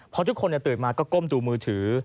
พอทุกคนตื่นมาก็ก้มดูมือถือ